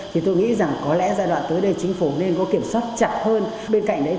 thì tôi nghĩ rằng có lẽ giai đoạn tới đây chính phủ nên có kiểm soát chặt hơn